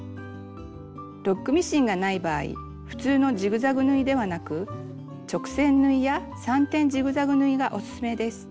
ロックミシンがない場合普通のジグザグ縫いではなく直線縫いや３点ジグザグ縫いがおすすめです。